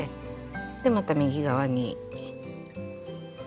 でまた右側に。